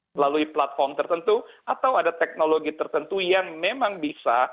melalui platform tertentu atau ada teknologi tertentu yang memang bisa